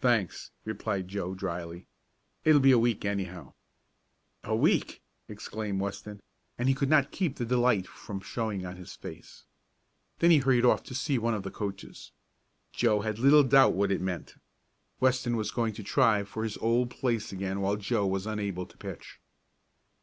"Thanks," replied Joe dryly. "It'll be a week anyhow." "A week!" exclaimed Weston, and he could not keep the delight from showing on his face. Then he hurried off to see one of the coaches. Joe had little doubt what it meant. Weston was going to try for his old place again while Joe was unable to pitch.